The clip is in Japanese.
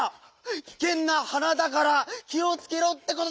「きけんなはなだから気をつけろ」ってことじゃないか！